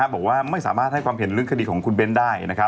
บอกว่าไม่สามารถทองให้ความเห็นขดีที่ของเบ้นได้